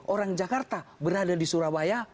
orang jakarta berada di surabaya